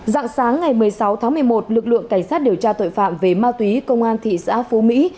dạng sáng ngày một mươi sáu tháng một mươi một lực lượng cảnh sát điều tra tội phạm về ma túy công an thị xã phú mỹ